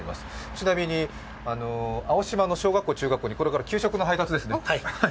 ちなみに青島の小学校、中学校にこれから給食の配達ですね。